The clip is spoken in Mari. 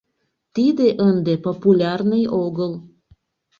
Тиде ынде популярный огыл.